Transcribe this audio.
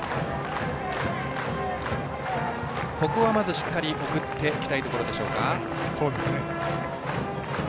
ここはまずしっかり送っていきたいところでしょうか。